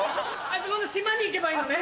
あそこの島に行けばいいのね？